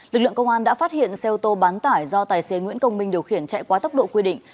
lực lượng công an đã phát hiện xe ô tô bán tải do tài xế nguyễn công minh điều khiển chạy quá tốc độ quy định